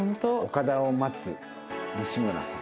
岡田を待つ西村さん。